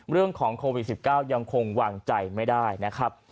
เรื่องของโควิด๑๙ยังคงวางใจไม่ได้นะครับ